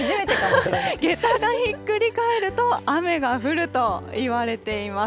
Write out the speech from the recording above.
げたがひっくり返ると雨が降るといわれています。